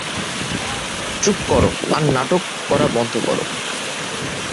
চুপ করো আর নাটক করা বন্ধ করো।